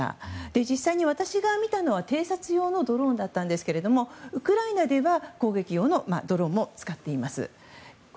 実際に私が見たのは偵察用のドローンでしたがウクライナでは攻撃用ドローンも使っています。